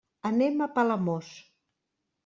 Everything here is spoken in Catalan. Anem a Palamós.